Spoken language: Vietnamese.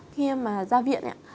khi em mà ra viện